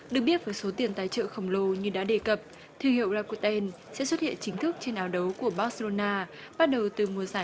được biết với số tiền tài trợ khổng lồ như đã đề cập thư hiệu rakuten sẽ xuất hiện chính thức trên áo đấu của barcelona bắt đầu từ mùa giải hai nghìn một mươi bảy hai nghìn một mươi tám